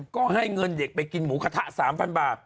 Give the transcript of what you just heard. ก็ให้เงินเด็กไปกินหมูกระทะ๓๐๐บาท